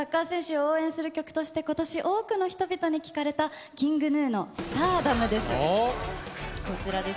サッカー選手を応援する曲として今年多くの人に聴かれたＫｉｎｇＧｎｕのＳｔａｒｄｏｍです。